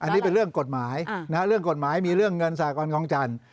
อันนี้เป็นเรื่องกฎหมายเรื่องกฎหมายมีเรื่องเงินสากรของจันทร์